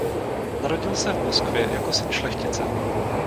Narodil se v Moskvě jako syn šlechtice.